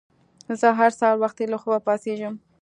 زه هر سهار وختي له خوبه پاڅیږم.